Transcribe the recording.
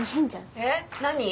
えっ何？